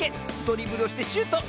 ドリブルをしてシュート！